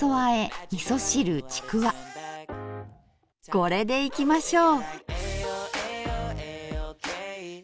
これでいきましょう！